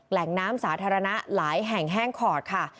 แหล่งน้ำสาธารณะหลายแห่งแห้งขอดค่ะ